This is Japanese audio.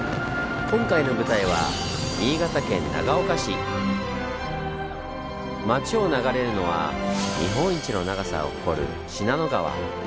今回の舞台は町を流れるのは日本一の長さを誇る信濃川。